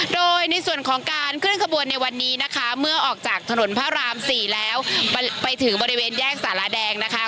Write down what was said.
โดยในส่วนของการเคลื่อนขบวนในวันนี้นะคะเมื่อออกจากถนนพระราม๔แล้วไปถึงบริเวณแยกสารแดงนะคะ